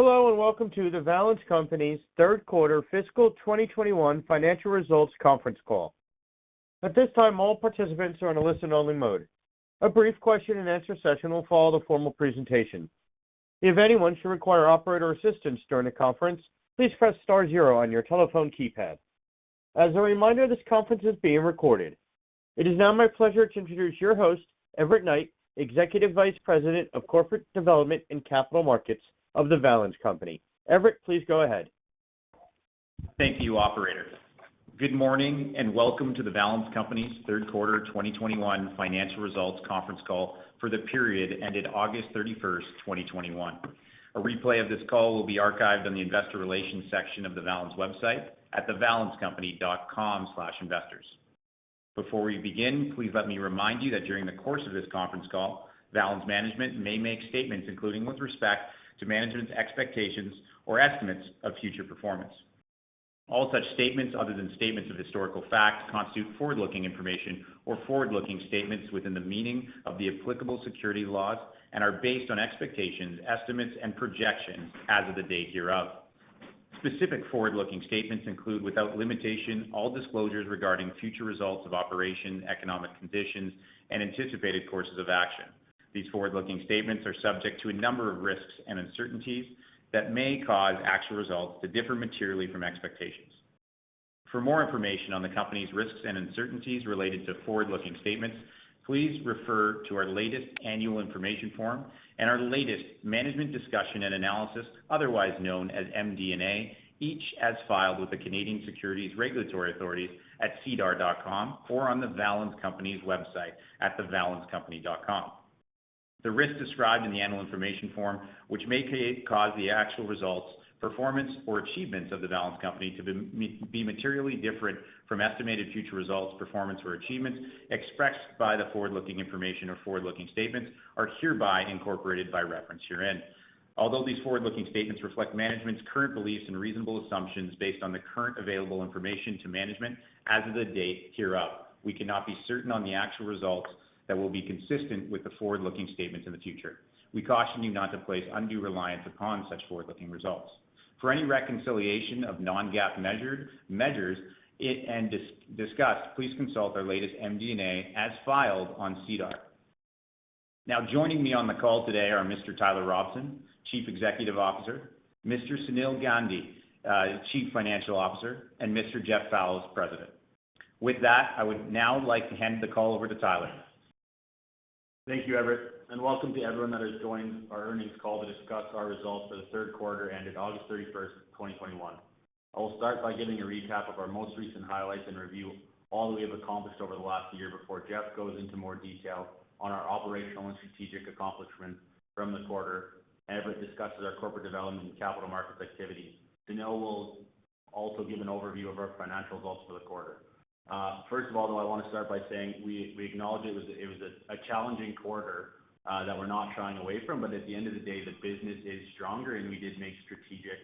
Hello, and welcome to The Valens Company's third quarter fiscal 2021 financial results conference call. At this time, all participants are on a listen only mode. A brief question-and-answer session will follow the formal presentation. If anyone should require operator assistance during the conference, please press star zero on your telephone keypad. As a reminder, this conference is being recorded. It is now my pleasure to introduce your host, Everett Knight, Executive Vice President of Corporate Development and Capital Markets of The Valens Company. Everett, please go ahead. Thank you, operator. Good morning and welcome to The Valens Company's third quarter 2021 financial results conference call for the period ended August 31st, 2021. A replay of this call will be archived on the investor relations section of the Valens website at thevalenscompany.com/investors. Before we begin, please let me remind you that during the course of this conference call, Valens management may make statements including with respect to management's expectations or estimates of future performance. All such statements other than statements of historical facts constitute forward-looking information or forward-looking statements within the meaning of the applicable security laws and are based on expectations, estimates, and projections as of the date hereof. Specific forward-looking statements include, without limitation, all disclosures regarding future results of operations, economic conditions, and anticipated courses of action. These forward-looking statements are subject to a number of risks and uncertainties that may cause actual results to differ materially from expectations. For more information on the company's risks and uncertainties related to forward-looking statements, please refer to our latest annual information form and our latest management discussion and analysis, otherwise known as MD&A, each as filed with the Canadian Securities Regulatory Authority at sedar.com or on The Valens Company's website at thevalenscompany.com. The risks described in the annual information form, which may cause the actual results, performance, or achievements of The Valens Company to be materially different from estimated future results, performance, or achievements expressed by the forward-looking information or forward-looking statements are hereby incorporated by reference herein. Although these forward-looking statements reflect management's current beliefs and reasonable assumptions based on the current available information to management as of the date hereof, we cannot be certain on the actual results that will be consistent with the forward-looking statements in the future. We caution you not to place undue reliance upon such forward-looking results. For any reconciliation of non-GAAP measures here and discussed, please consult our latest MD&A as filed on SEDAR. Now, joining me on the call today are Mr. Tyler Robson, Chief Executive Officer, Mr. Sunil Gandhi, Chief Financial Officer, and Mr. Jeff Fallows, President. With that, I would now like to hand the call over to Tyler. Thank you, Everett. Welcome to everyone that has joined our earnings call to discuss our results for the third quarter ended August 31st, 2021. I will start by giving a recap of our most recent highlights and review all that we have accomplished over the last year before Jeff goes into more detail on our operational and strategic accomplishments from the quarter, Everett discusses our corporate development and capital markets activities. Sunil will also give an overview of our financial results for the quarter. First of all, I want to start by saying we acknowledge it was a challenging quarter that we're not shying away from. At the end of the day, the business is stronger, and we did make strategic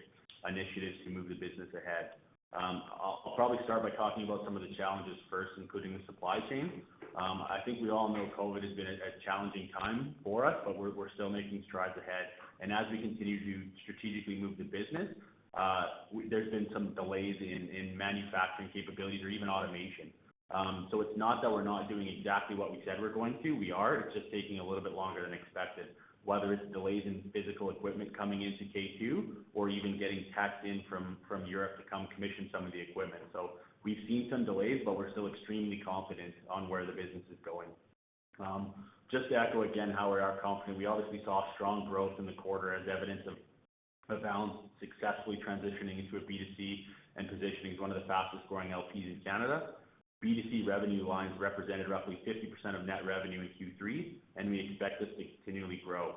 initiatives to move the business ahead. I'll probably start by talking about some of the challenges first, including the supply chain. I think we all know COVID has been a challenging time for us, but we're still making strides ahead, and as we continue to strategically move the business, there's been some delays in manufacturing capabilities or even automation. It's not that we're not doing exactly what we said we're going to. We are. It's just taking a little bit longer than expected, whether it's delays in physical equipment coming into Q2 or even getting tech in from Europe to come commission some of the equipment. We've seen some delays, but we're still extremely confident on where the business is going. Just to echo again how we are confident, we obviously saw strong growth in the quarter as evidence of Valens successfully transitioning into a B2C and positioning as one of the fastest-growing LPs in Canada. B2C revenue lines represented roughly 50% of net revenue in Q3, and we expect this to continually grow.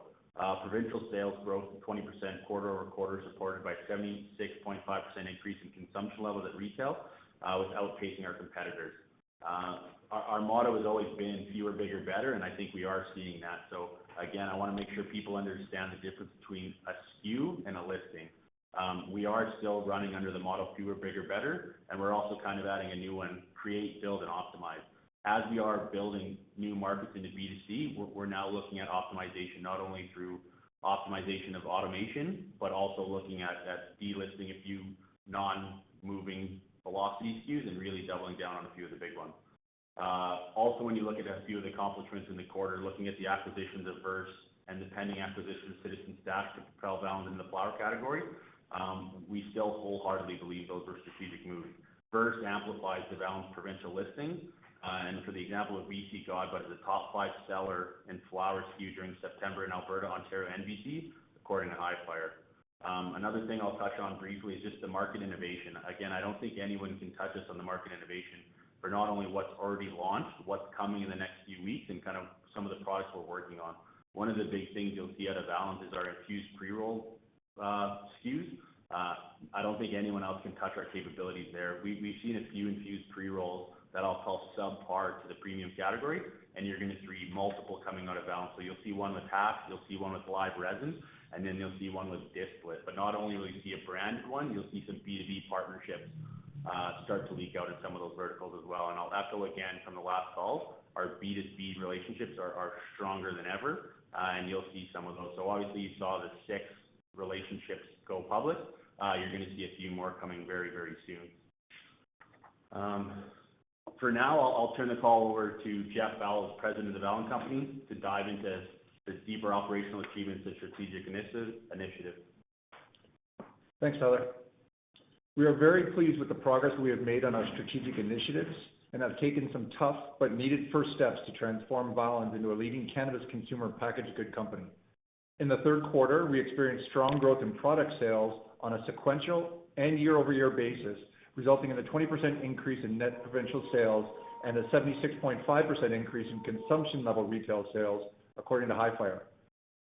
Provincial sales growth of 20% quarter-over-quarter, supported by 76.5% increase in consumption levels at retail, outpacing our competitors. Our motto has always been fewer, bigger, better, and I think we are seeing that. Again, I want to make sure people understand the difference between a SKU and a listing. We are still running under the model fewer, bigger, better, and we're also kind of adding a new one, create, build, and optimize. As we are building new markets into B2C, we're now looking at optimization, not only through optimization of automation, but also looking at delisting a few non-moving velocity SKUs and really doubling down on a few of the big ones. Also, when you look at a few of the accomplishments in the quarter, looking at the acquisition of Verse and the pending acquisition of Citizen Stash to propel Valens in the flower category, we still wholeheartedly believe those are strategic moves. Verse amplifies The Valens provincial listings, and for the example of BC God Bud is a top five seller in flower SKUs during September in Alberta, Ontario, and BC according to Hifyre. Another thing I'll touch on briefly is just the market innovation. Again, I don't think anyone can touch us on the market innovation for not only what's already launched, what's coming in the next few weeks, and kind of some of the products we're working on. One of the big things you'll see out of Valens is our infused pre-roll SKUs. I don't think anyone else can touch our capabilities there. We've seen a few infused pre-rolls that I'll call subpar to the premium category, and you're going to see multiple coming out of Valens. You'll see one with hash, you'll see one with live resin, and then you'll see one with distillate. Not only will you see a branded one, you'll see some B2B partnerships start to leak out in some of those verticals as well, and I'll echo again from the last call, our B2B relationships are stronger than ever, and you'll see some of those. Obviously you saw the six relationships go public. You're going to see a few more coming very, very soon. For now, I'll turn the call over to Jeff Fallows, President of The Valens Company, to dive into the deeper operational achievements and strategic initiatives. Thanks, Tyler. We are very pleased with the progress we have made on our strategic initiatives and have taken some tough but needed first steps to transform Valens into a leading cannabis consumer packaged goods company. In the third quarter, we experienced strong growth in product sales on a sequential and year-over-year basis, resulting in a 20% increase in net provincial sales and a 76.5% increase in consumption level retail sales according to Hifyre.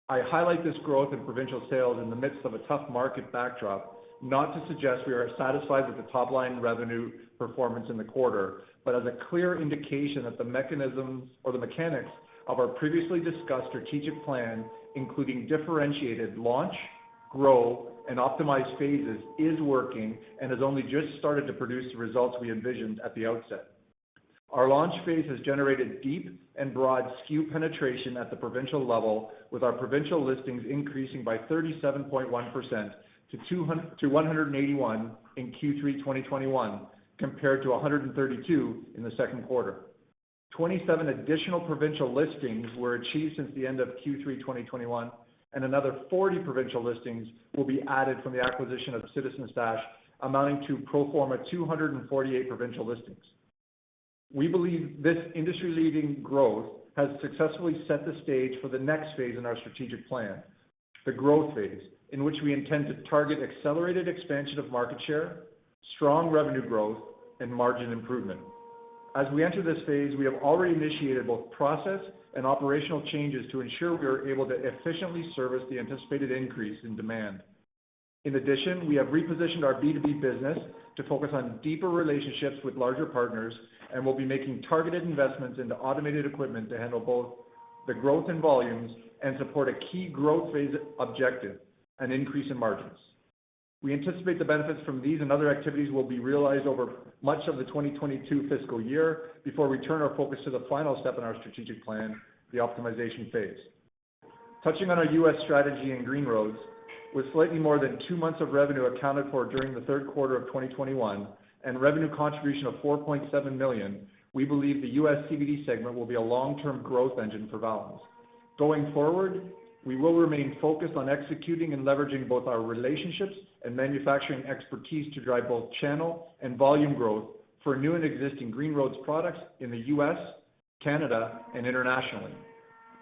I highlight this growth in provincial sales in the midst of a tough market backdrop, not to suggest we are satisfied with the top-line revenue performance in the quarter, but as a clear indication that the mechanisms or the mechanics of our previously discussed strategic plan, including differentiated launch, grow, and optimize phases, is working and has only just started to produce the results we envisioned at the outset. Our launch phase has generated deep and broad SKU penetration at the provincial level, with our provincial listings increasing by 37.1% to 181 in Q3 2021, compared to 132 in the second quarter. 27 additional provincial listings were achieved since the end of Q3 2021, and another 40 provincial listings will be added from the acquisition of Citizen Stash, amounting to pro forma 248 provincial listings. We believe this industry-leading growth has successfully set the stage for the next phase in our strategic plan, the growth phase, in which we intend to target accelerated expansion of market share, strong revenue growth, and margin improvement. As we enter this phase, we have already initiated both process and operational changes to ensure we are able to efficiently service the anticipated increase in demand. We have repositioned our B2B business to focus on deeper relationships with larger partners and will be making targeted investments into automated equipment to handle both the growth in volumes and support a key growth phase objective, an increase in margins. We anticipate the benefits from these and other activities will be realized over much of the 2022 fiscal year before we turn our focus to the final step in our strategic plan, the optimization phase. Touching on our U.S. strategy and Green Roads, with slightly more than two months of revenue accounted for during the third quarter of 2021 and revenue contribution of $4.7 million, we believe the U.S. CBD segment will be a long-term growth engine for Valens. Going forward, we will remain focused on executing and leveraging both our relationships and manufacturing expertise to drive both channel and volume growth for new and existing Green Roads products in the U.S., Canada, and internationally.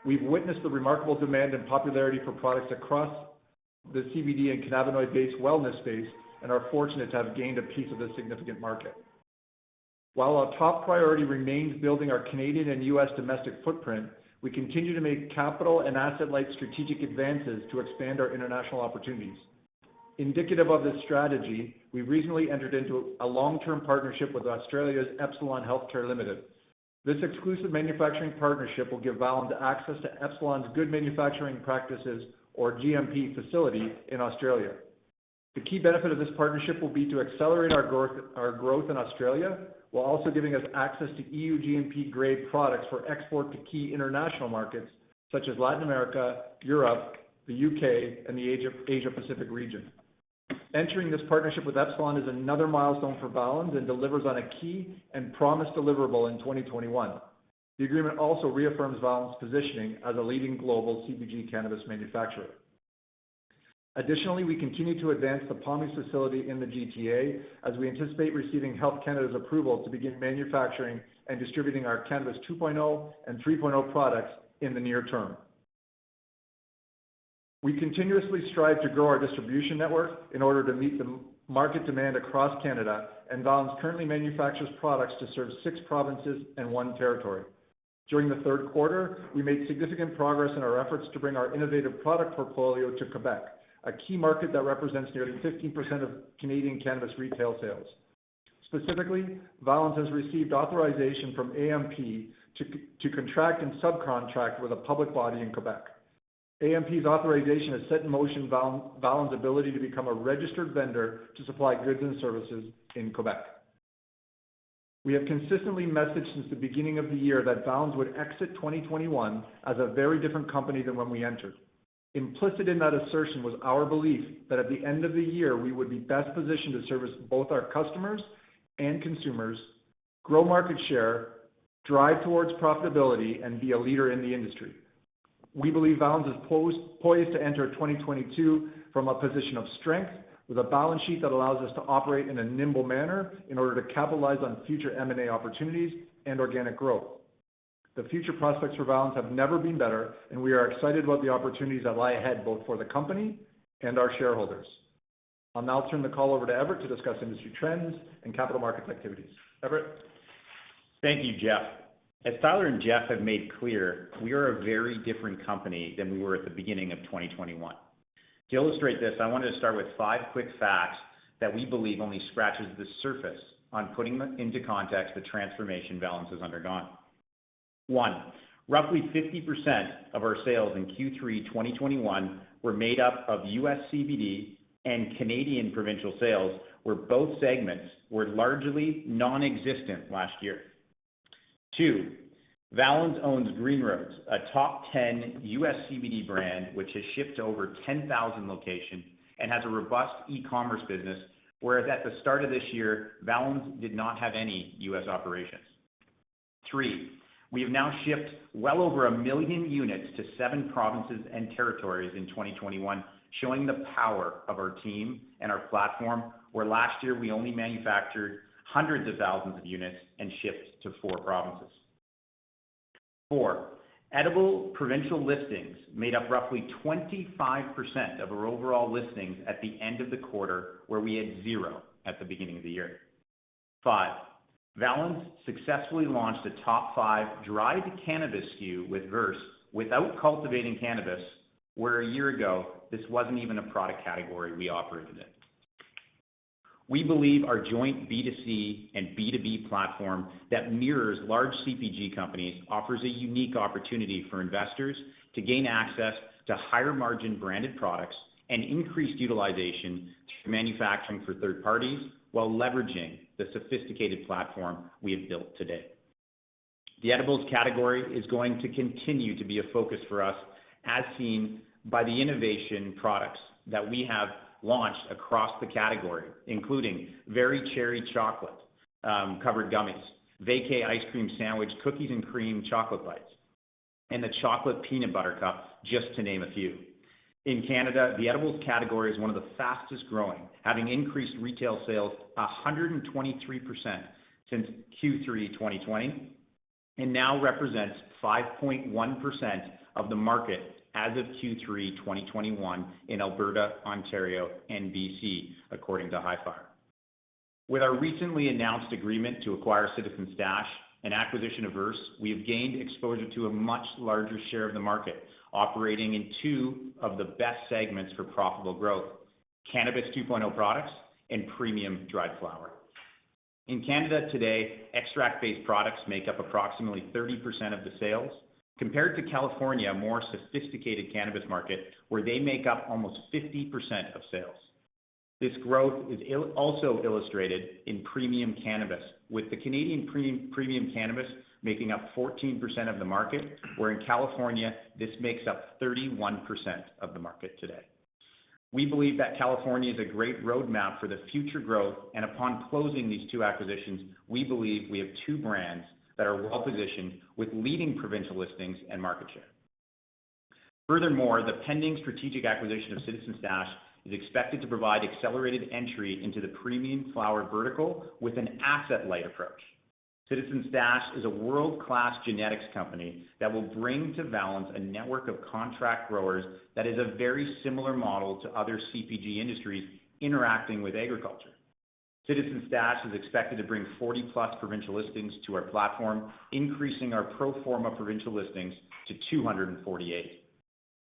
We've witnessed the remarkable demand and popularity for products across the CBD and cannabinoid-based wellness space and are fortunate to have gained a piece of this significant market. While our top priority remains building our Canadian and U.S. domestic footprint, we continue to make capital and asset-light strategic advances to expand our international opportunities. Indicative of this strategy, we recently entered into a long-term partnership with Australia's Epsilon Healthcare Limited. This exclusive manufacturing partnership will give Valens access to Epsilon's good manufacturing practices, or GMP, facility in Australia. The key benefit of this partnership will be to accelerate our growth in Australia, while also giving us access to EU GMP-grade products for export to key international markets such as Latin America, Europe, the U.K., and the Asia Pacific region. Entering this partnership with Epsilon is another milestone for Valens and delivers on a key and promised deliverable in 2021. The agreement also reaffirms Valens' positioning as a leading global CPG cannabis manufacturer. Additionally, we continue to advance the Pommies facility in the GTA as we anticipate receiving Health Canada's approval to begin manufacturing and distributing our Cannabis 2.0 and 3.0 products in the near term. We continuously strive to grow our distribution network in order to meet the market demand across Canada, and Valens currently manufactures products to serve six provinces and one territory. During the third quarter, we made significant progress in our efforts to bring our innovative product portfolio to Québec, a key market that represents nearly 15% of Canadian cannabis retail sales. Specifically, Valens has received authorization from AMF to contract and subcontract with a public body in Québec. AMF's authorization has set in motion Valens' ability to become a registered vendor to supply goods and services in Québec. We have consistently messaged since the beginning of the year that Valens would exit 2021 as a very different company than when we entered. Implicit in that assertion was our belief that at the end of the year, we would be best positioned to service both our customers and consumers, grow market share, drive towards profitability, and be a leader in the industry. We believe Valens is poised to enter 2022 from a position of strength, with a balance sheet that allows us to operate in a nimble manner in order to capitalize on future M&A opportunities and organic growth. The future prospects for Valens have never been better, and we are excited about the opportunities that lie ahead, both for the company and our shareholders. I'll now turn the call over to Everett to discuss industry trends and capital market activities. Everett? Thank you, Jeff. As Tyler and Jeff have made clear, we are a very different company than we were at the beginning of 2021. To illustrate this, I wanted to start with five quick facts that we believe only scratches the surface on putting into context the transformation Valens has undergone. One, roughly 50% of our sales in Q3 2021 were made up of U.S. CBD and Canadian provincial sales where both segments were largely non-existent last year. Two, Valens owns Green Roads, a top 10 U.S. CBD brand, which has shipped to over 10,000 locations and has a robust e-commerce business, whereas at the start of this year, Valens did not have any U.S. operations. Three, we have now shipped well over a million units to seven provinces and territories in 2021, showing the power of our team and our platform, where last year we only manufactured hundreds of thousands of units and shipped to four provinces. Four, edible provincial listings made up roughly 25% of our overall listings at the end of the quarter, where we had zero at the beginning of the year. Five, Valens successfully launched a top five dried cannabis SKU with Verse without cultivating cannabis, where a year ago, this wasn't even a product category we operated in. We believe our joint B2C and B2B platform that mirrors large CPG companies offers a unique opportunity for investors to gain access to higher-margin branded products and increased utilization through manufacturing for third parties while leveraging the sophisticated platform we have built today. The edibles category is going to continue to be a focus for us, as seen by the innovation products that we have launched across the category, including Very Cherry chocolate-covered gummies, Vacay Ice Cream Sandwich Cookies and Cream Chocolate Bites, and the Chocolate Peanut Butter Cup, just to name a few. In Canada, the edibles category is one of the fastest-growing, having increased retail sales 123% since Q3 2020 and now represents 5.1% of the market as of Q3 2021 in Alberta, Ontario, and BC, according to Hifyre. With our recently announced agreement to acquire Citizen Stash and acquisition of Verse, we have gained exposure to a much larger share of the market, operating in two of the best segments for profitable growth, Cannabis 2.0 products and premium dried flower. In Canada today, extract-based products make up approximately 30% of the sales, compared to California, a more sophisticated cannabis market, where they make up almost 50% of sales. This growth is also illustrated in premium cannabis, with the Canadian premium cannabis making up 14% of the market, where in California, this makes up 31% of the market today. We believe that California is a great roadmap for the future growth, and upon closing these two acquisitions, we believe we have two brands that are well-positioned with leading provincial listings and market share. Furthermore, the pending strategic acquisition of Citizen Stash is expected to provide accelerated entry into the premium flower vertical with an asset-light approach. Citizen Stash is a world-class genetics company that will bring to Valens a network of contract growers that is a very similar model to other CPG industries interacting with agriculture. Citizen Stash is expected to bring 40+ provincial listings to our platform, increasing our pro forma provincial listings to 248.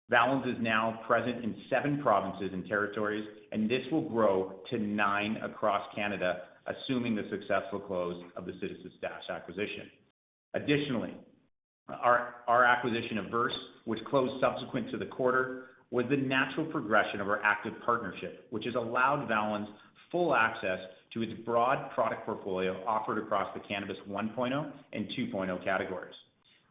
Valens is now present in seven provinces and territories, and this will grow to nine across Canada, assuming the successful close of the Citizen Stash acquisition. Additionally, our acquisition of Verse, which closed subsequent to the quarter, was the natural progression of our active partnership, which has allowed Valens full access to its broad product portfolio offered across the Cannabis 1.0 and 2.0 categories.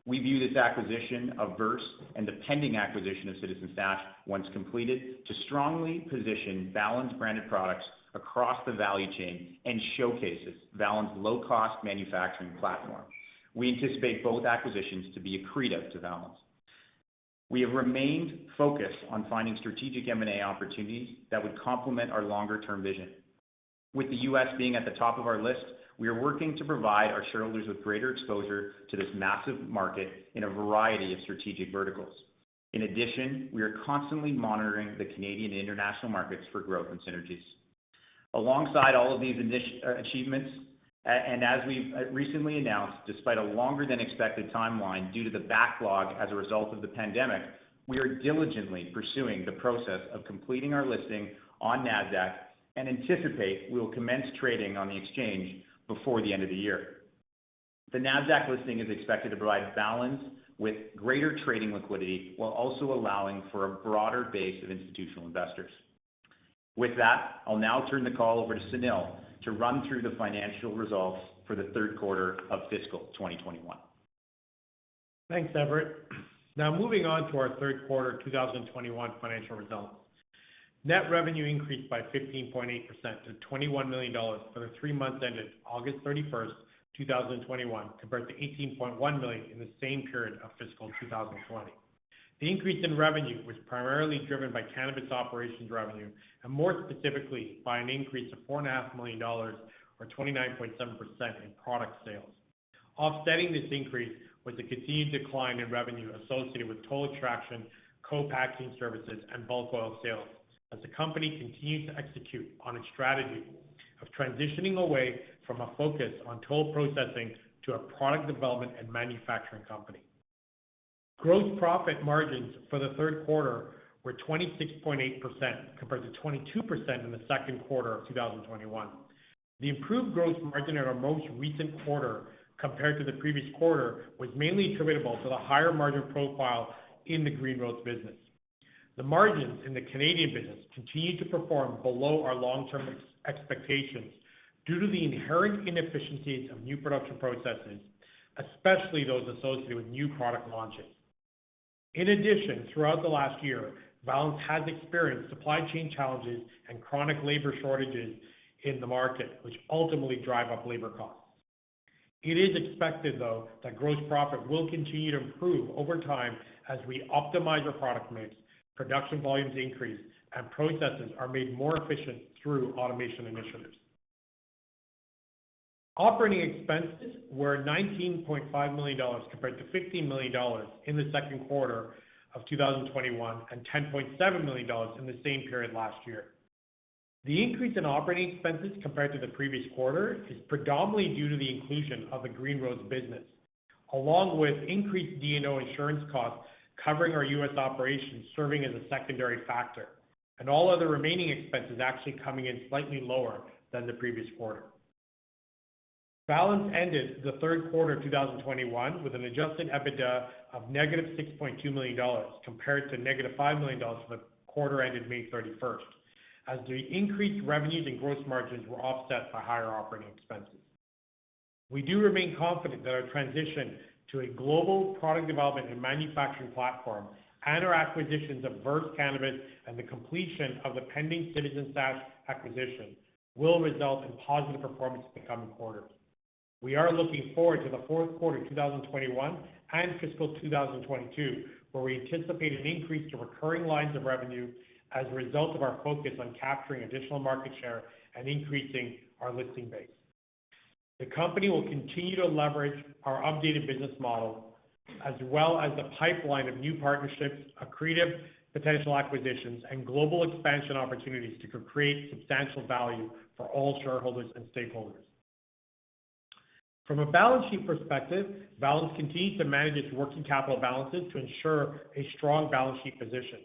We view this acquisition of Verse and the pending acquisition of Citizen Stash, once completed, to strongly position Valens branded products across the value chain and showcases Valens' low-cost manufacturing platform. We anticipate both acquisitions to be accretive to Valens. We have remained focused on finding strategic M&A opportunities that would complement our longer-term vision. With the U.S. being at the top of our list, we are working to provide our shareholders with greater exposure to this massive market in a variety of strategic verticals. We are constantly monitoring the Canadian and international markets for growth and synergies. Alongside all of these achievements, as we've recently announced, despite a longer than expected timeline due to the backlog as a result of the pandemic, we are diligently pursuing the process of completing our listing on Nasdaq and anticipate we will commence trading on the exchange before the end of the year. The Nasdaq listing is expected to provide Valens with greater trading liquidity while also allowing for a broader base of institutional investors. With that, I'll now turn the call over to Sunil to run through the financial results for the third quarter of fiscal 2021. Thanks, Everett. Moving on to our third quarter 2021 financial results. Net revenue increased by 15.8% to 21 million dollars for the three months ended August 31st, 2021, compared to 18.1 million in the same period of fiscal 2020. The increase in revenue was primarily driven by cannabis operations revenue, and more specifically by an increase of 4.5 million dollars or 29.7% in product sales. Off setting this increase was the continued decline in revenue associated with toll extraction, co-packing services, and bulk oil sales as the company continues to execute on its strategy of transitioning away from a focus on toll processing to a product development and manufacturing company. Gross profit margins for the third quarter were 26.8%, compared to 22% in the second quarter of 2021. The improved gross margin in our most recent quarter compared to the previous quarter was mainly attributable to the higher margin profile in the Green Roads business. The margins in the Canadian business continued to perform below our long-term expectations due to the inherent inefficiencies of new production processes, especially those associated with new product launches. In addition, throughout the last year, Valens has experienced supply chain challenges and chronic labor shortages in the market, which ultimately drive up labor costs. It is expected, though, that gross profit will continue to improve over time as we optimize our product mix, production volumes increase, and processes are made more efficient through automation initiatives. Operating expenses were 19.5 million dollars compared to 15 million dollars in the second quarter of 2021, and 10.7 million dollars in the same period last year. The increase in operating expenses compared to the previous quarter is predominantly due to the inclusion of the Green Roads business, along with increased D&O insurance costs covering our U.S. operations serving as a secondary factor, and all other remaining expenses actually coming in slightly lower than the previous quarter. Valens ended the third quarter of 2021 with an adjusted EBITDA of -6.2 million dollars compared to -5 million dollars for the quarter ended May 31st, as the increased revenues and gross margins were offset by higher operating expenses. We do remain confident that our transition to a global product development and manufacturing platform, and our acquisitions of Verse Cannabis and the completion of the pending Citizen Stash acquisition will result in positive performance in the coming quarters. We are looking forward to the fourth quarter of 2021 and fiscal 2022, where we anticipate an increase to recurring lines of revenue as a result of our focus on capturing additional market share and increasing our listing base. The company will continue to leverage our updated business model, as well as the pipeline of new partnerships, accretive potential acquisitions, and global expansion opportunities to create substantial value for all shareholders and stakeholders. From a balance sheet perspective, Valens continues to manage its working capital balances to ensure a strong balance sheet position.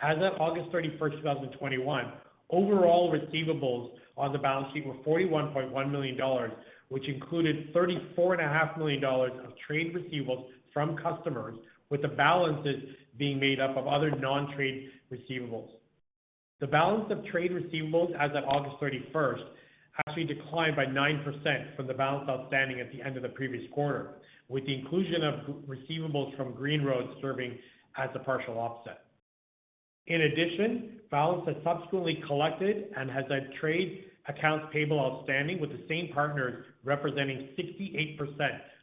As of August 31st, 2021, overall receivables on the balance sheet were 41.1 million dollars, which included 34.5 million dollars of trade receivables from customers, with the balances being made up of other non-trade receivables. The balance of trade receivables as of August 31st actually declined by 9% from the balance outstanding at the end of the previous quarter, with the inclusion of receivables from Green Roads serving as a partial offset. In addition, Valens has subsequently collected and has had trade accounts payable outstanding with the same partners representing 68%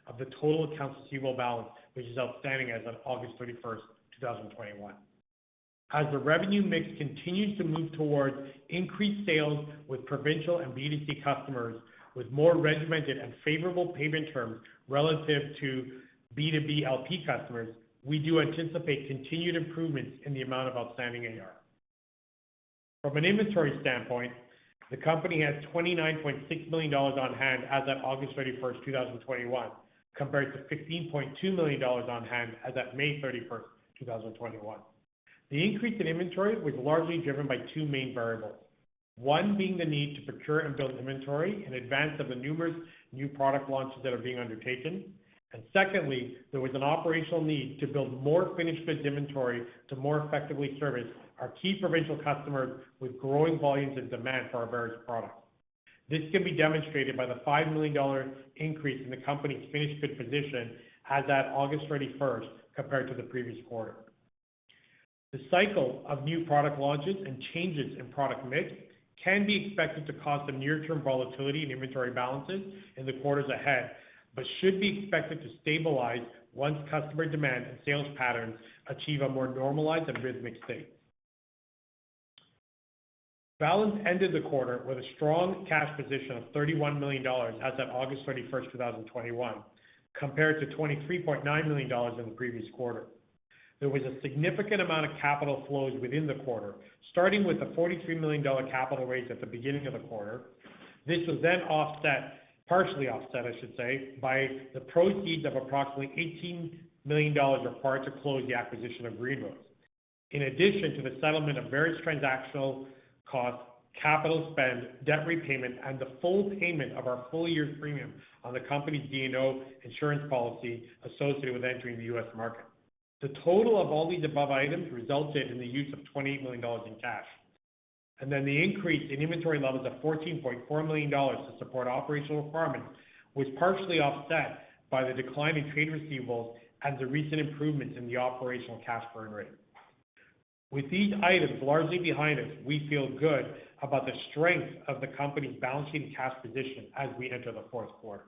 of the total accounts receivable balance, which is outstanding as of August 31st, 2021. As the revenue mix continues to move towards increased sales with provincial and B2C customers with more regimented and favorable payment terms relative to B2B LP customers, we do anticipate continued improvements in the amount of outstanding AR. From an inventory standpoint, the company has 29.6 million dollars on hand as of August 31st, 2021, compared to 15.2 million dollars on hand as of May 31st, 2021. The increase in inventory was largely driven by two main variables, one being the need to procure and build inventory in advance of the numerous new product launches that are being undertaken. Secondly, there was an operational need to build more finished goods inventory to more effectively service our key provincial customers with growing volumes and demand for our various products. This can be demonstrated by the 5 million dollar increase in the company's finished goods position as of August 31st compared to the previous quarter. The cycle of new product launches and changes in product mix can be expected to cause some near-term volatility in inventory balances in the quarters ahead, but should be expected to stabilize once customer demand and sales patterns achieve a more normalized and rhythmic state. Valens ended the quarter with a strong cash position of 31 million dollars as of August 31st, 2021, compared to 23.9 million dollars in the previous quarter. There was a significant amount of capital flows within the quarter, starting with the 43 million dollar capital raise at the beginning of the quarter. This was offset, partially offset I should say, by the proceeds of approximately 18 million dollars required to close the acquisition of Green Roads. In addition to the settlement of various transactional costs, capital spend, debt repayment, and the full payment of our full-year premium on the company's D&O insurance policy associated with entering the U.S. market. The total of all these above items resulted in the use of 28 million dollars in cash. The increase in inventory levels of 14.4 million dollars to support operational requirements was partially offset by the decline in trade receivables and the recent improvements in the operational cash burn rate. With these items largely behind us, we feel good about the strength of the company's balance sheet and cash position as we enter the fourth quarter.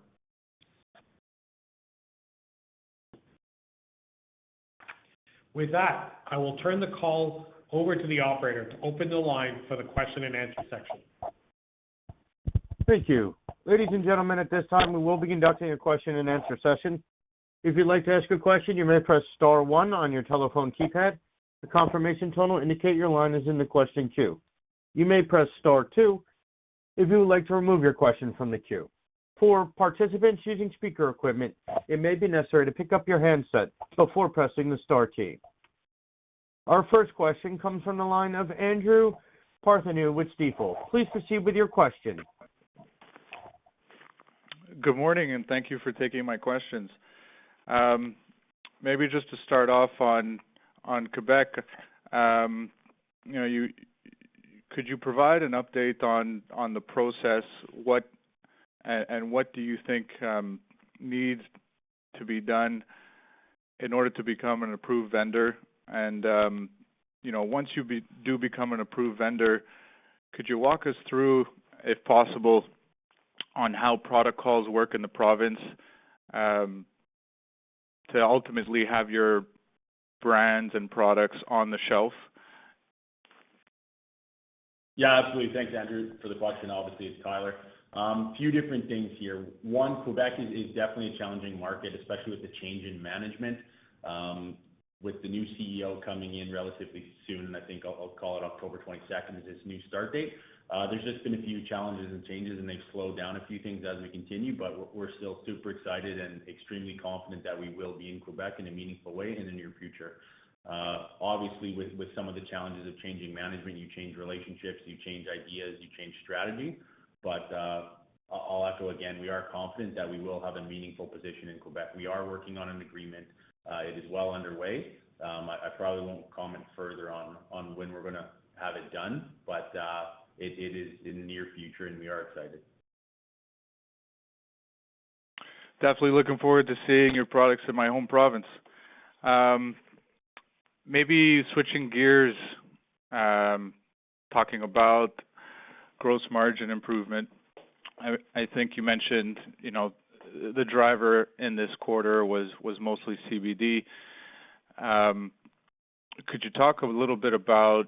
With that, I will turn the call over to the operator to open the line for the question-and-answer session. Thank you. Ladies and gentlemen, at this time, we will be conducting a question-and-answer session. If you'd like to ask a question, you may press star one on your telephone keypad. The confirmation tone will indicate your line is in the question queue. You may press star two if you would like to remove your question from the queue. For participants using speaker equipment, it may be necessary to pick up your handset before pressing the star key. Our first question comes from the line of Andrew Partheniou with Stifel. Please proceed with your question Good morning, and thank you for taking my questions. Maybe just to start off on Quebec, could you provide an update on the process, and what do you think needs to be done in order to become an approved vendor? Once you do become an approved vendor, could you walk us through, if possible, on how protocols work in the province, to ultimately have your brands and products on the shelf? Yeah, absolutely. Thanks, Andrew, for the question. Obviously, it's Tyler. Few different things here. One, Quebec is definitely a challenging market, especially with the change in management. With the new CEO coming in relatively soon, I think, I'll call it October 22nd is his new start date. There's just been a few challenges and changes. They've slowed down a few things as we continue. We're still super excited and extremely confident that we will be in Quebec in a meaningful way in the near future. Obviously, with some of the challenges of changing management, you change relationships, you change ideas, you change strategy. I'll echo again, we are confident that we will have a meaningful position in Quebec. We are working on an agreement. It is well underway. I probably won't comment further on when we're going to have it done, but it is in the near future, and we are excited. Definitely looking forward to seeing your products in my home province. Switching gears, talking about gross margin improvement. You mentioned the driver in this quarter was mostly CBD. Could you talk a little bit about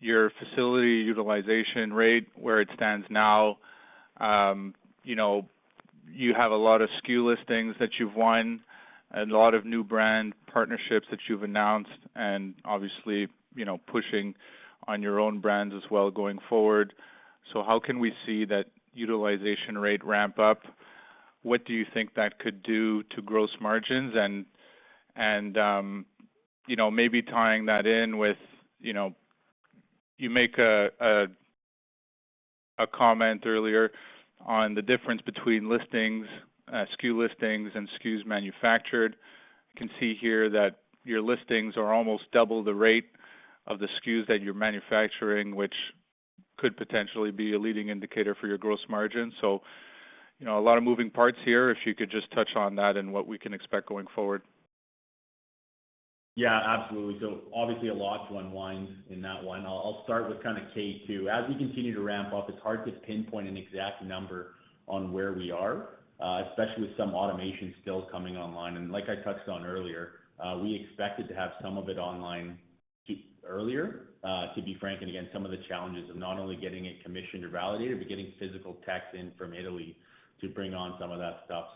your facility utilization rate, where it stands now? You have a lot of SKU listings that you've won and a lot of new brand partnerships that you've announced, obviously, pushing on your own brands as well going forward. How can we see that utilization rate ramp up? What do you think that could do to gross margins? Tying that in with You make a comment earlier on the difference between listings, SKU listings, and SKUs manufactured. I can see here that your listings are almost double the rate of the SKUs that you're manufacturing, which could potentially be a leading indicator for your gross margin. A lot of moving parts here. If you could just touch on that and what we can expect going forward. Yeah, absolutely. Obviously a lot to unwind in that one. I'll start with kind of K2. As we continue to ramp up, it's hard to pinpoint an exact number on where we are, especially with some automation still coming online. Like I touched on earlier, we expected to have some of it online earlier, to be frank. Again, some of the challenges of not only getting it commissioned or validated, but getting physical techs in from Italy to bring on some of that stuff.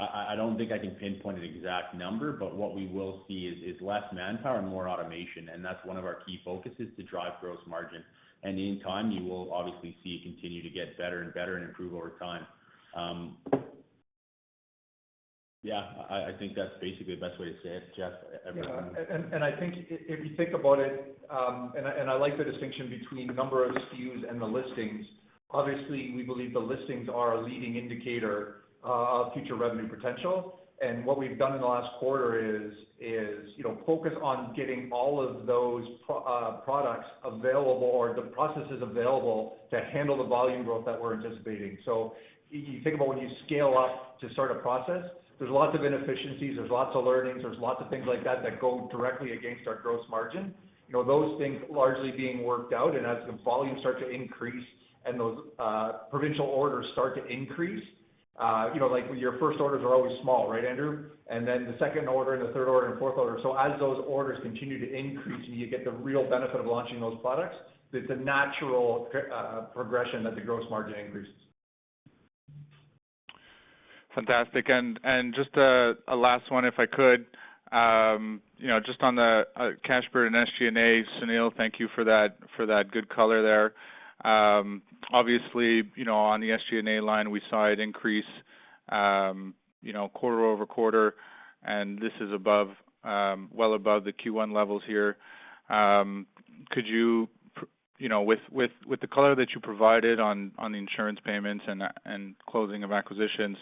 I don't think I can pinpoint an exact number, but what we will see is less manpower and more automation, and that's one of our key focuses, to drive gross margin. In time, you will obviously see it continue to get better and better and improve over time. I think that's basically the best way to say it, Jeff. Yeah, I think if you think about it, and I like the distinction between number of SKUs and the listings. Obviously, we believe the listings are a leading indicator of future revenue potential. What we've done in the last quarter is focus on getting all of those products available or the processes available to handle the volume growth that we're anticipating. If you think about when you scale up to start a process, there's lots of inefficiencies, there's lots of learnings, there's lots of things like that that go directly against our gross margin. Those things largely being worked out, and as the volumes start to increase and those provincial orders start to increase, like your first orders are always small, right, Andrew? The second order and the third order and fourth order. As those orders continue to increase and you get the real benefit of launching those products, it's a natural progression that the gross margin increases. Just a last one, if I could. Just on the cash burn and SG&A, Sunil, thank you for that good color there. Obviously, on the SG&A line, we saw it increase quarter-over-quarter, and this is well above the Q1 levels here. With the color that you provided on the insurance payments and closing of acquisitions,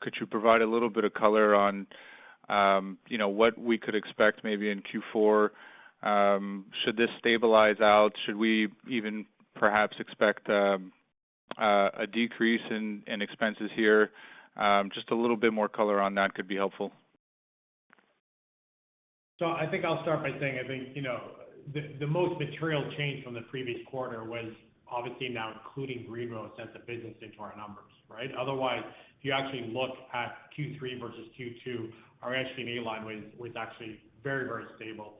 could you provide a little bit of color on what we could expect maybe in Q4? Should this stabilize out? Should we even perhaps expect a decrease in expenses here? Just a little bit more color on that could be helpful. I think I'll start by saying, I think, the most material change from the previous quarter was obviously now including Green Roads as a business into our numbers, right? Otherwise, if you actually look at Q3 versus Q2, our SG&A line was actually very, very stable.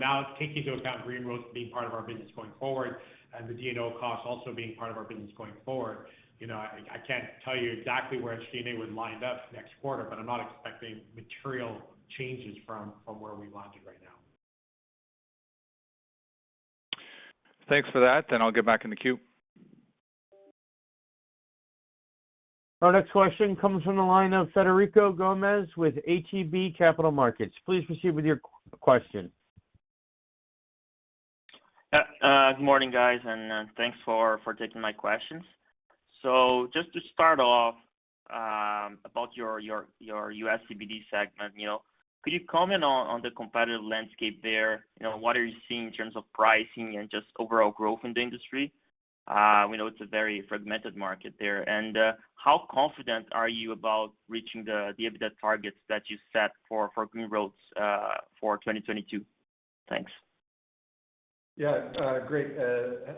Now taking into account Green Roads being part of our business going forward and the D&O cost also being part of our business going forward, I can't tell you exactly where SG&A would line up next quarter, but I'm not expecting material changes from where we landed right now. Thanks for that. I'll get back in the queue. Our next question comes from the line of Frederico Gomes with ATB Capital Markets. Please proceed with your question. Good morning, guys, and thanks for taking my questions. Just to start off, about your U.S. CBD segment, could you comment on the competitive landscape there? What are you seeing in terms of pricing and just overall growth in the industry? We know it's a very fragmented market there. How confident are you about reaching the EBITDA targets that you set for Green Roads for 2022? Thanks. Yeah. Great.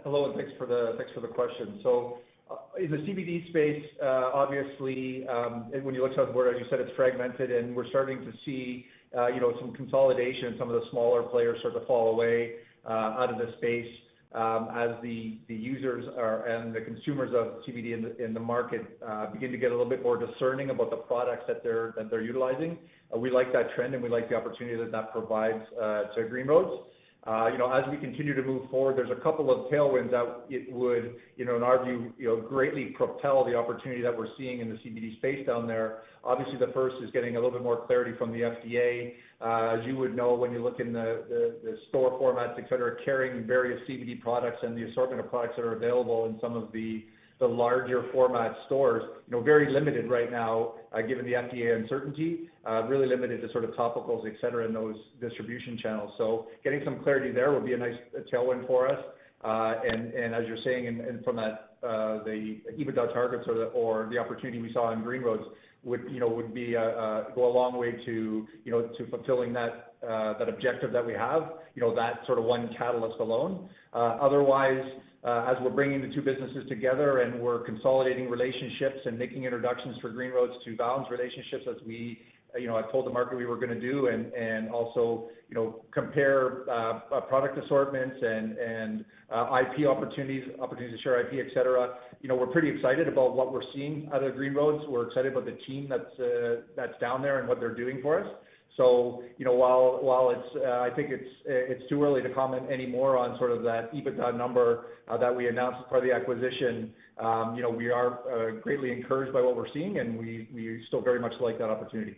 Hello, and thanks for the question. In the CBD space, obviously, when you look south of the border, as you said, it's fragmented, and we're starting to see some consolidation. Some of the smaller players start to fall away out of the space as the users and the consumers of CBD in the market begin to get a little bit more discerning about the products that they're utilizing. We like that trend, and we like the opportunity that that provides to Green Roads. As we continue to move forward, there's a couple of tailwinds that it would, in our view, greatly propel the opportunity that we're seeing in the CBD space down there. The first is getting a little bit more clarity from the FDA. As you would know, when you look in the store formats, et cetera, carrying various CBD products and the assortment of products that are available in some of the larger format stores, very limited right now given the FDA uncertainty. Really limited to sort of topicals, et cetera, in those distribution channels. Getting some clarity there would be a nice tailwind for us. As you're saying, and from the EBITDA targets or the opportunity we saw in Green Roads would go a long way to fulfilling that objective that we have, that sort of one catalyst alone. Otherwise, as we're bringing the two businesses together and we're consolidating relationships and making introductions for Green Roads to Valens relationships as I told the market we were going to do, and also compare product assortments and IP opportunities to share IP, et cetera. We're pretty excited about what we're seeing out of Green Roads. We're excited about the team that's down there and what they're doing for us. While I think it's too early to comment any more on that EBITDA number that we announced as part of the acquisition, we are greatly encouraged by what we're seeing, and we still very much like that opportunity.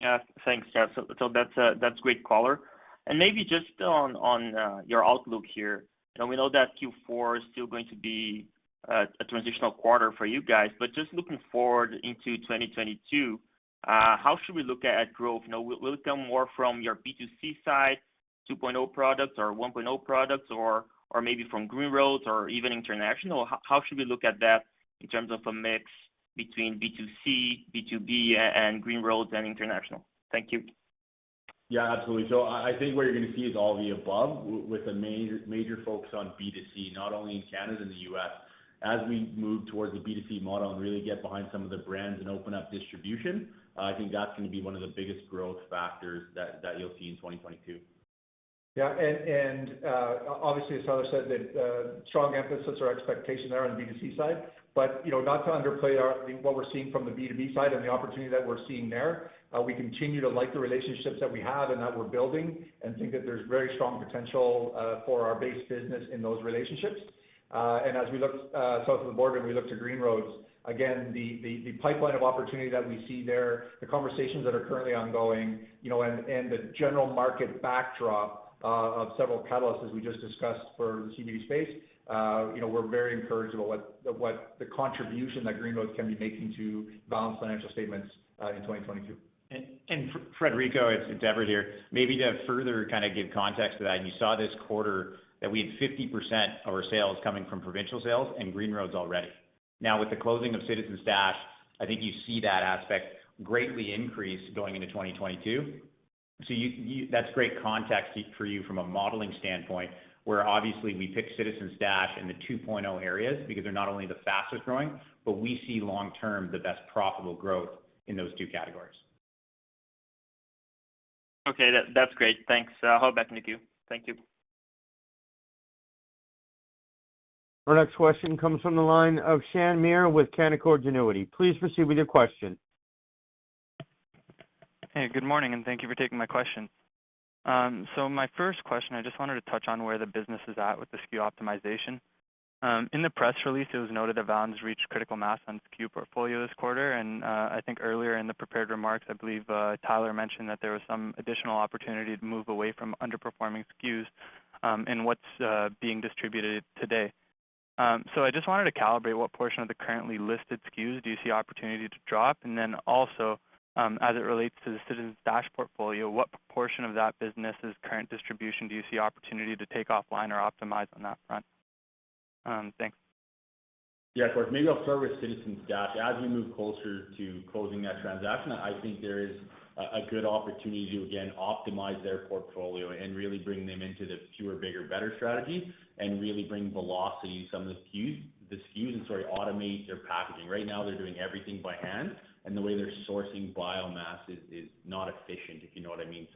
Yeah. Thanks, Jeff. That's great color. Maybe just on your outlook here, we know that Q4 is still going to be a transitional quarter for you guys, but just looking forward into 2022, how should we look at growth? Will it come more from your B2C side, 2.0 products or 1.0 products, or maybe from Green Roads or even international? How should we look at that in terms of a mix between B2C, B2B, and Green Roads, and international? Thank you. Yeah, absolutely. I think what you're going to see is all of the above with a major focus on B2C, not only in Canada and the U.S. As we move towards the B2C model and really get behind some of the brands and open up distribution, I think that's going to be one of the biggest growth factors that you'll see in 2022. Obviously, as Tyler said, that strong emphasis or expectation there on the B2C side, but not to underplay what we're seeing from the B2B side and the opportunity that we're seeing there. We continue to like the relationships that we have and that we're building and think that there's very strong potential for our base business in those relationships. As we look south of the border and we look to Green Roads, again, the pipeline of opportunity that we see there, the conversations that are currently ongoing, and the general market backdrop of several catalysts, as we just discussed, for the CBD space, we're very encouraged about what the contribution that Green Roads can be making to Valens' financial statements in 2022. Frederico, it's Everett here. Maybe to further kind of give context to that, you saw this quarter that we had 50% of our sales coming from provincial sales and Green Roads already. Now with the closing of Citizen Stash, I think you see that aspect greatly increase going into 2022. That's great context for you from a modeling standpoint, where obviously we picked Citizen Stash in the 2.0 areas because they're not only the fastest-growing, but we see long-term, the best profitable growth in those two categories. Okay. That's great. Thanks. I'll hop back in the queue. Thank you. Our next question comes from the line of Shaan Mir with Canaccord Genuity. Please proceed with your question. Hey, good morning. Thank you for taking my question. My first question, I just wanted to touch on where the business is at with the SKU optimization. In the press release, it was noted that Valens reached critical mass on SKU portfolio this quarter, and I think earlier in the prepared remarks, I believe Tyler mentioned that there was some additional opportunity to move away from underperforming SKUs and what's being distributed today. I just wanted to calibrate what portion of the currently listed SKUs do you see opportunity to drop? Also, as it relates to the Citizen Stash portfolio, what portion of that business' current distribution do you see opportunity to take offline or optimize on that front? Thanks. Yeah, of course. Maybe I'll start with Citizen Stash. As we move closer to closing that transaction, I think there is a good opportunity to, again, optimize their portfolio and really bring them into the fewer, bigger, better strategy and really bring velocity to some of the SKUs, and sorry, automate their packaging. Right now they're doing everything by hand, and the way they're sourcing biomass is not efficient, if you know what I mean.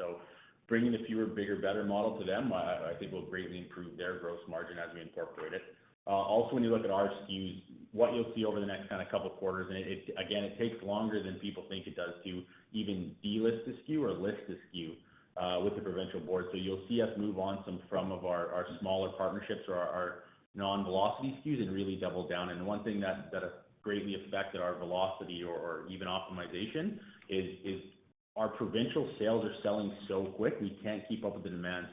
Bringing the fewer, bigger, better model to them I think will greatly improve their gross margin as we incorporate it. Also when you look at our SKUs, what you'll see over the next kind of couple of quarters, and again, it takes longer than people think it does to even delist a SKU or list a SKU with the provincial board. You'll see us move on some from of our smaller partnerships or our non-velocity SKUs and really double down. The one thing that has greatly affected our velocity or even optimization is, our provincial sales are selling so quick we can't keep up with the demand,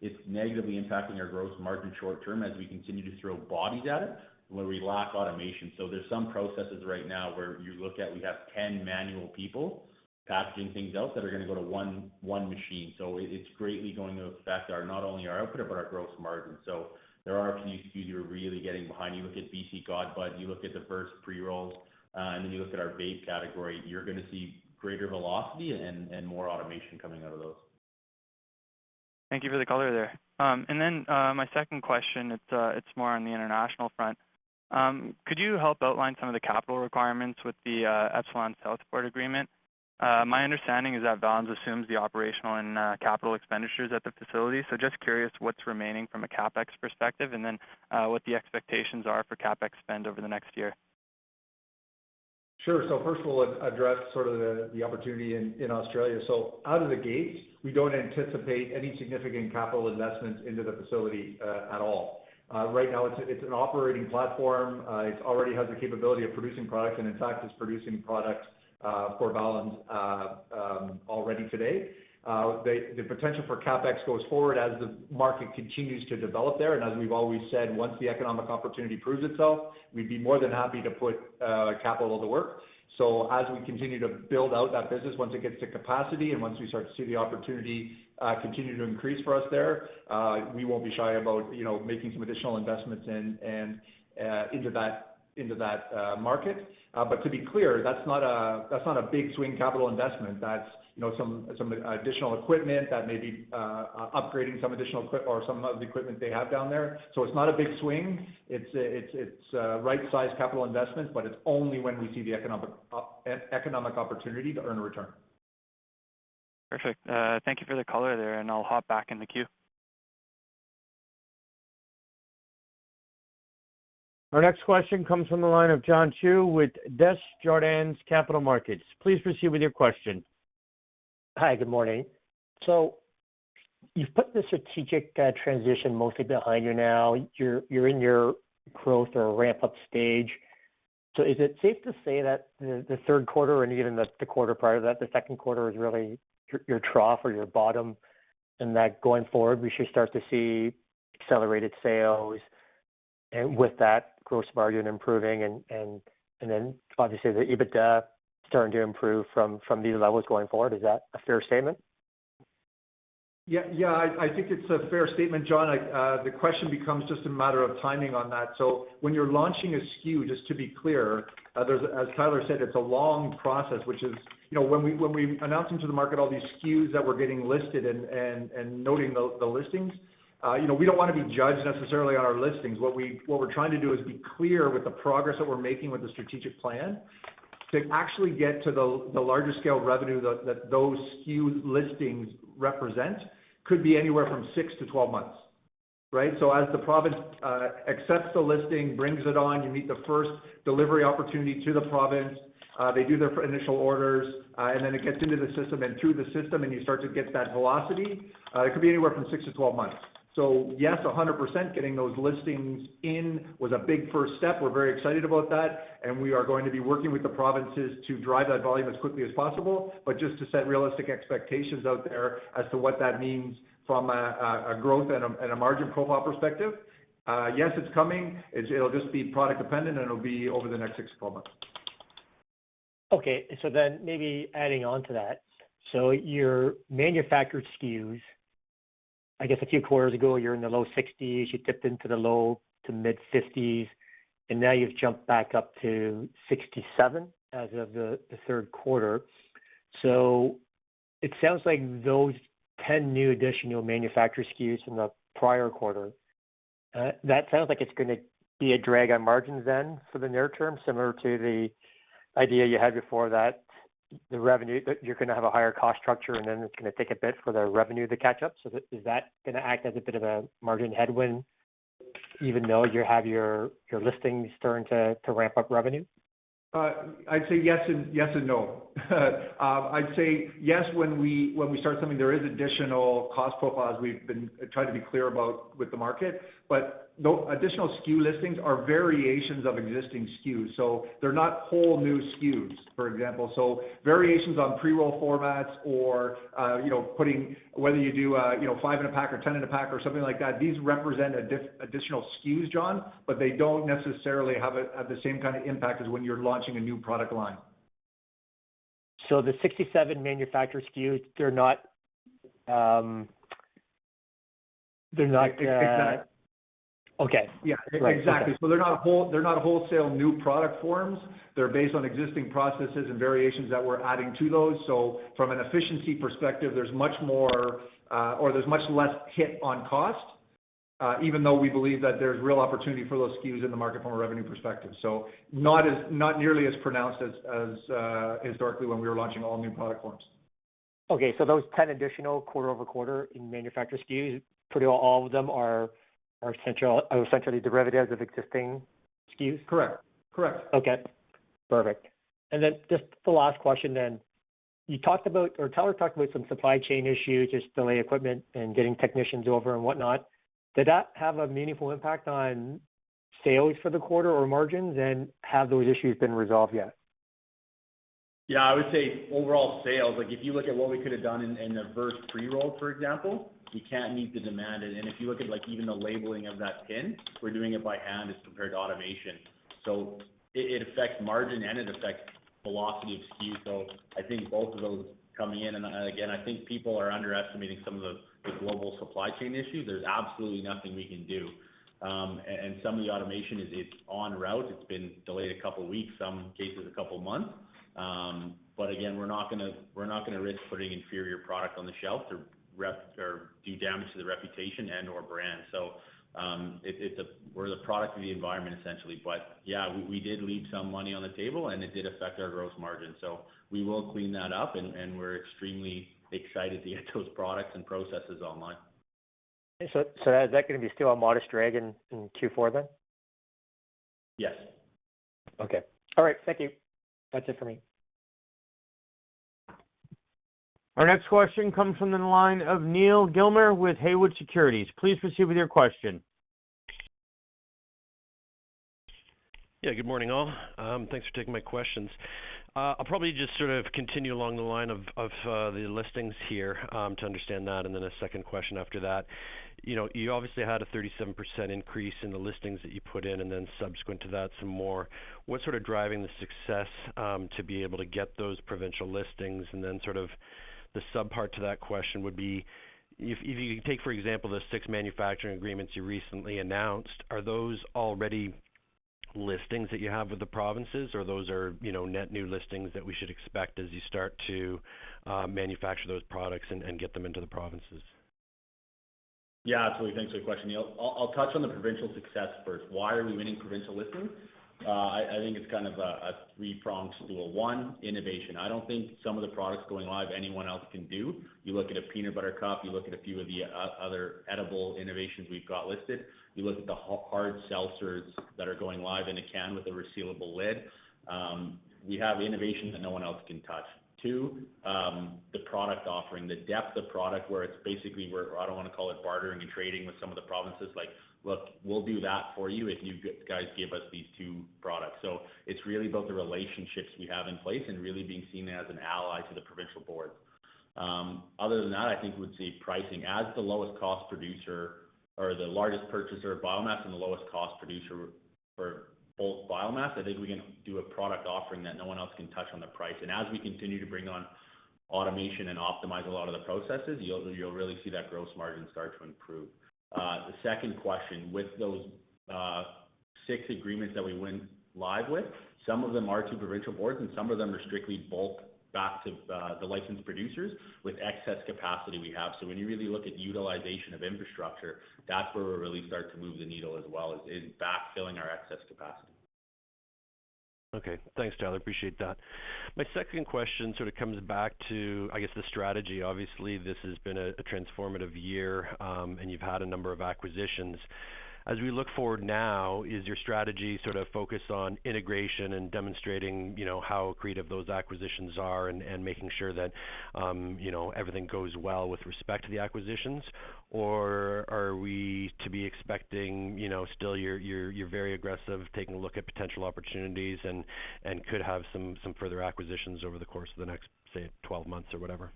so it's negatively impacting our gross margin short term as we continue to throw bodies at it where we lack automation. There are some processes right now where you look at, we have 10 manual people packaging things out that are going to go to one machine. It's greatly going to affect not only our output, but our gross margin. There are a few SKUs that are really getting behind. You look at BC God Bud, you look at the Verse pre-rolls, and then you look at our vape category, you're going to see greater velocity and more automation coming out of those. Thank you for the color there. My second question, it's more on the international front. Could you help outline some of the capital requirements with the Epsilon sales support agreement? My understanding is that Valens assumes the operational and capital expenditures at the facility. Just curious what's remaining from a CapEx perspective, what the expectations are for CapEx spend over the next year. Sure. First of all, address the opportunity in Australia. Out of the gate, we don't anticipate any significant capital investments into the facility at all. Right now it's an operating platform. It already has the capability of producing products, and in fact, it's producing products for Valens already today. The potential for CapEx goes forward as the market continues to develop there. As we've always said, once the economic opportunity proves itself, we'd be more than happy to put capital to work. As we continue to build out that business, once it gets to capacity and once we start to see the opportunity continue to increase for us there, we won't be shy about making some additional investments into that market. To be clear, that's not a big swing capital investment. That's some additional equipment, that may be upgrading some of the equipment they have down there. It's not a big swing. It's a right-sized capital investment, but it's only when we see the economic opportunity to earn a return. Perfect. Thank you for the color there. I'll hop back in the queue. Our next question comes from the line of John Chu with Desjardins Capital Markets. Please proceed with your question. Hi. Good morning. You've put the strategic transition mostly behind you now. You're in your growth or ramp-up stage. Is it safe to say that the third quarter and even the quarter prior to that, the second quarter, is really your trough or your bottom, and that going forward, we should start to see accelerated sales, and with that, gross margin improving, and then obviously the EBITDA starting to improve from these levels going forward? Is that a fair statement? Yes. I think it's a fair statement, John. The question becomes just a matter of timing on that. When you're launching a SKU, just to be clear, as Tyler said, it's a long process, which is when we announce into the market all these SKUs that we're getting listed and noting the listings, we don't want to be judged necessarily on our listings. What we're trying to do is be clear with the progress that we're making with the strategic plan to actually get to the larger scale revenue that those SKU listings represent could be anywhere from 6-12 months. Right? As the province accepts the listing, brings it on, you meet the first delivery opportunity to the province, they do their initial orders, and then it gets into the system and through the system, and you start to get that velocity, it could be anywhere from 6 -12 months. Yes, 100%, getting those listings in was a big first step. We're very excited about that, and we are going to be working with the provinces to drive that volume as quickly as possible. Just to set realistic expectations out there as to what that means from a growth and a margin profile perspective, yes, it's coming. It'll just be product dependent, and it'll be over the next 6-12 months. Okay. Maybe adding on to that. Your manufactured SKUs, I guess a few quarters ago, you're in the low 60s, you dipped into the low to mid 50s, and now you've jumped back up to 67 as of the third quarter. It sounds like those 10 new additional manufacturer SKUs from the prior quarter, that sounds like it's going to be a drag on margins then for the near term, similar to the idea you had before that you're going to have a higher cost structure and then it's going to take a bit for the revenue to catch up. Is that going to act as a bit of a margin headwind even though you have your listings starting to ramp up revenue? I'd say yes and no. I'd say yes when we start something, there is additional cost profiles we've been trying to be clear about with the market. Those additional SKU listings are variations of existing SKUs. They're not whole new SKUs, for example. Variations on pre-roll formats or whether you do a five in a pack or 10 in a pack or something like that, these represent additional SKUs, John, but they don't necessarily have the same kind of impact as when you're launching a new product line. The 67 manufacturer SKUs, they're not. It's not. Okay. Great. Yes, exactly. They're not wholesale new product forms. They're based on existing processes and variations that we're adding to those. From an efficiency perspective, there's much less hit on cost, even though we believe that there's real opportunity for those SKUs in the market from a revenue perspective. Not nearly as pronounced as historically when we were launching all new product forms. Okay. Those 10 additional quarter-over-quarter in manufacturer SKUs, pretty all of them are essentially derivatives of existing SKUs? Correct. Okay, perfect. Just the last question, then. Tyler talked about some supply chain issues, just delayed equipment and getting technicians over and whatnot. Did that have a meaningful impact on sales for the quarter or margins, and have those issues been resolved yet? Yeah. I would say overall sales, if you look at what we could've done in the Verse pre-roll, for example, we can't meet the demand. If you look at even the labeling of that tin, we're doing it by hand as compared to automation. It affects margin and it affects velocity of SKU, so I think both of those coming in, and again, I think people are underestimating some of the global supply chain issues. There's absolutely nothing we can do. Some of the automation is on route. It's been delayed a couple weeks, some cases a couple months. Again, we're not going to risk putting inferior product on the shelf to do damage to the reputation and/or brand. We're the product of the environment, essentially. Yeah, we did leave some money on the table, and it did affect our gross margin. We will clean that up, and we're extremely excited to get those products and processes online. Okay. Is that going to be still a modest drag in Q4 then? Yes. Okay. All right. Thank you. That is it for me. Our next question comes from the line of Neal Gilmer with Haywood Securities. Please proceed with your question. Yeah, good morning, all. Thanks for taking my questions. I'll probably just sort of continue along the line of the listings here to understand that, and then a second question after that. You obviously had a 37% increase in the listings that you put in, and then subsequent to that, some more. What's sort of driving the success to be able to get those provincial listings? Sort of the sub-part to that question would be, if you take, for example, the six manufacturing agreements you recently announced, are those already listings that you have with the provinces, or those are net new listings that we should expect as you start to manufacture those products and get them into the provinces? Yeah, absolutely. Thanks for the question, Neal. I'll touch on the provincial success first. Why are we winning provincial listings? I think it's kind of a three-pronged stool. One, innovation. I don't think some of the products going live anyone else can do. You look at a Chocolate Peanut Butter Cup, you look at a few of the other edible innovations we've got listed. You look at the hard seltzers that are going live in a can with a resealable lid. We have innovation that no one else can touch. Two, the product offering, the depth of product where it's basically, I don't want to call it bartering and trading with some of the provinces, like, "Look, we'll do that for you if you guys give us these two products." It's really about the relationships we have in place and really being seen as an ally to the provincial board. Other than that, I think we'd say pricing. As the lowest cost producer, or the largest purchaser of biomass and the lowest cost producer for bulk biomass, I think we can do a product offering that no one else can touch on the price. As we continue to bring on automation and optimize a lot of the processes, you'll really see that gross margin start to improve. The second question, with those six agreements that we went live with, some of them are to provincial boards, and some of them are strictly bulk back to the licensed producers with excess capacity we have. When you really look at utilization of infrastructure, that's where we really start to move the needle as well, is in backfilling our excess capacity. Okay. Thanks, Tyler, appreciate that. My second question sort of comes back to, I guess, the strategy. Obviously, this has been a transformative year, and you've had a number of acquisitions. As we look forward now, is your strategy sort of focused on integration and demonstrating how accretive those acquisitions are and making sure that everything goes well with respect to the acquisitions, or are we to be expecting still you're very aggressive, taking a look at potential opportunities, and could have some further acquisitions over the course of the next, say, 12 months, or whatever?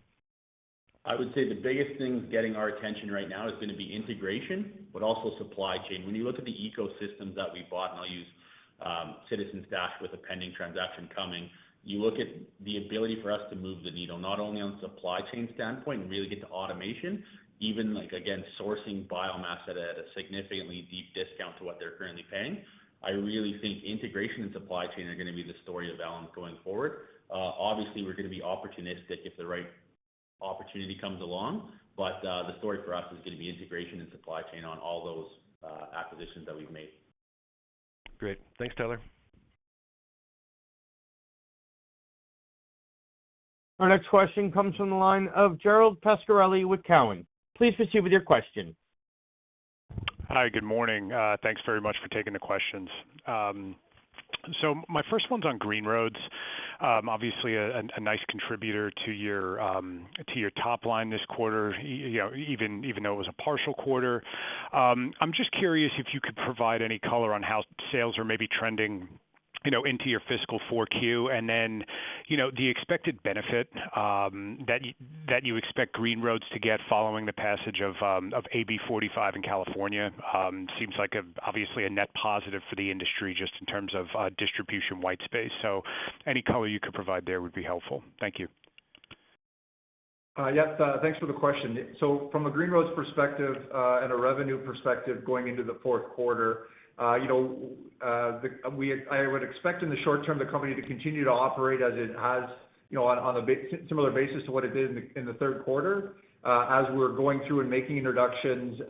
I would say the biggest thing that's getting our attention right now is going to be integration, also supply chain. When you look at the ecosystems that we bought, I'll use Citizen Stash with a pending transaction coming, you look at the ability for us to move the needle, not only on supply chain standpoint and really get to automation, even, again, sourcing biomass at a significantly deep discount to what they're currently paying. I really think integration and supply chain are going to be the story of Valens going forward. Obviously, we're going to be opportunistic if the right opportunity comes along, the story for us is going to be integration and supply chain on all those acquisitions that we've made. Great. Thanks, Tyler. Our next question comes from the line of Gerald Pascarelli with Cowen. Please proceed with your question. Hi, good morning. Thanks very much for taking the questions. My first one's on Green Roads. Obviously, a nice contributor to your top line this quarter, even though it was a partial quarter. I'm just curious if you could provide any color on how sales are maybe trending into your fiscal 4Q, and then the expected benefit that you expect Green Roads to get following the passage of AB 45 in California. Seems like, obviously, a net positive for the industry, just in terms of distribution white space. Any color you could provide there would be helpful. Thank you. Yes. Thanks for the question. From a Green Roads perspective, and a revenue perspective going into the fourth quarter, I would expect in the short term the company to continue to operate as it has on a similar basis to what it did in the third quarter. As we're going through and making introductions,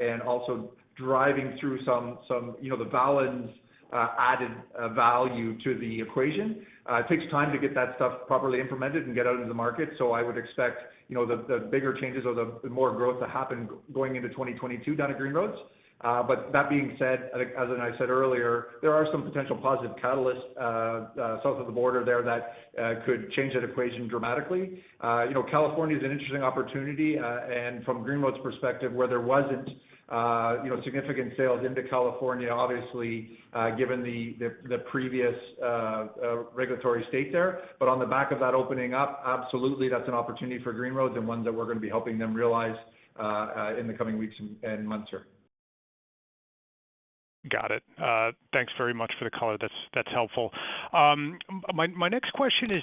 and also driving through some of the Valens added value to the equation. It takes time to get that stuff properly implemented and get out into the market, so I would expect the bigger changes or the more growth to happen going into 2022 down at Green Roads. That being said. There are some potential positive catalysts south of the U.S. border there that could change that equation dramatically. California is an interesting opportunity, from Green Roads' perspective, where there wasn't significant sales into California, obviously, given the previous regulatory state there. On the back of that opening up, absolutely, that's an opportunity for Green Roads and one that we're going to be helping them realize in the coming weeks and months here. Got it. Thanks very much for the color. That's helpful. My next question is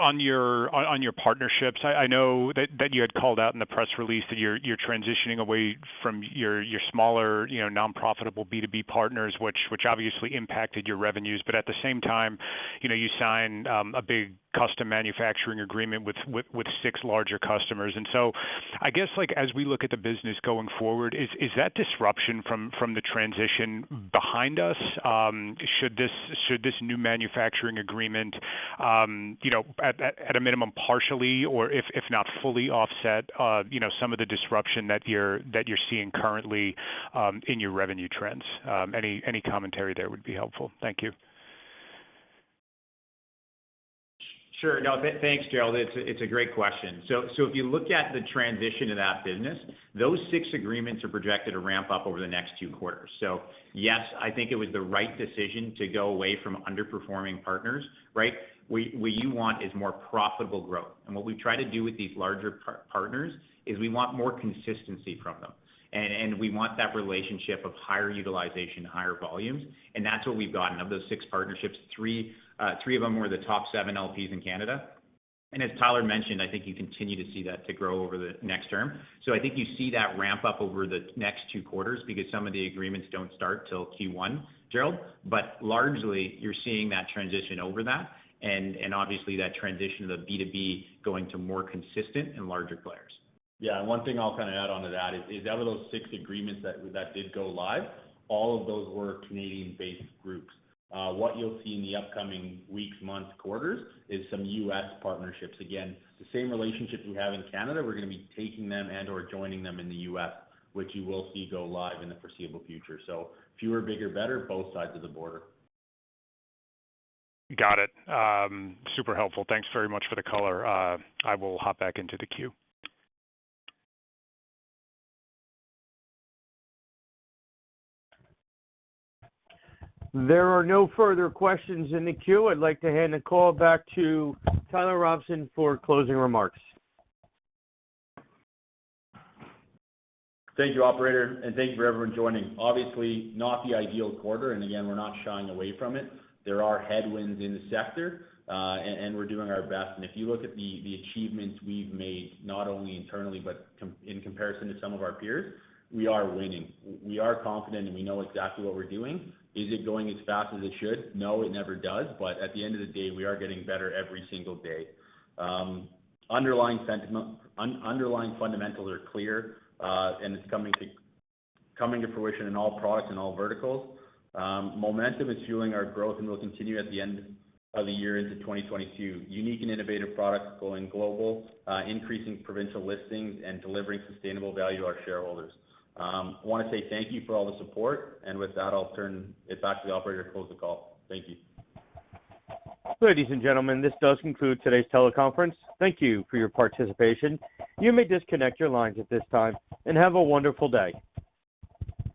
on your partnerships. I know that you had called out in the press release that you're transitioning away from your smaller, non-profitable B2B partners, which obviously impacted your revenues. At the same time, you signed a big custom manufacturing agreement with six larger customers. I guess as we look at the business going forward, is that disruption from the transition behind us? Should this new manufacturing agreement, at a minimum, partially or if not fully offset some of the disruption that you're seeing currently in your revenue trends? Any commentary there would be helpful. Thank you. Thanks, Gerald. It's a great question. If you look at the transition of that business, those six agreements are projected to ramp up over the next two quarters. Yes, I think it was the right decision to go away from underperforming partners, right? What you want is more profitable growth. What we try to do with these larger partners is we want more consistency from them. We want that relationship of higher utilization, higher volumes, and that's what we've gotten. Of those six partnerships, three of them were the top seven LPs in Canada. As Tyler mentioned, I think you continue to see that to grow over the next term. I think you see that ramp up over the next two quarters because some of the agreements don't start till Q1, Gerald. Largely, you're seeing that transition over that, and obviously, that transition of B2B going to more consistent and larger players. Yeah. One thing I'll add onto that is, out of those six agreements that did go live, all of those were Canadian-based groups. What you'll see in the upcoming weeks, months, quarters, is some U.S. partnerships. The same relationships we have in Canada, we're going to be taking them and/or joining them in the US, which you will see go live in the foreseeable future. Fewer, bigger, better, both sides of the border. Got it. Super helpful. Thanks very much for the color. I will hop back into the queue. There are no further questions in the queue. I'd like to hand the call back to Tyler Robson for closing remarks. Thank you, operator, and thank you for everyone joining. Obviously, not the ideal quarter, and again, we're not shying away from it. There are headwinds in the sector, and we're doing our best. If you look at the achievements we've made, not only internally, but in comparison to some of our peers, we are winning. We are confident, and we know exactly what we're doing. Is it going as fast as it should? No, it never does. At the end of the day, we are getting better every single day. Underlying fundamentals are clear, and it's coming to fruition in all products and all verticals. Momentum is fueling our growth and will continue at the end of the year into 2022. Unique and innovative products going global, increasing provincial listings, and delivering sustainable value to our shareholders. I want to say thank you for all the support. With that, I'll turn it back to the operator to close the call. Thank you. Ladies and gentlemen, this does conclude today's teleconference. Thank you for your participation. You may disconnect your lines at this time, and have a wonderful day.